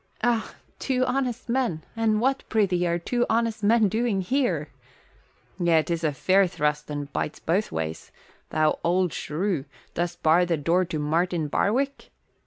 "Ah, two honest men? And what, prithee, are two honest men doing here?" "Yea, 'tis a fair thrust and bites both ways! Thou old shrew, dost bar the door to Martin Barwick?"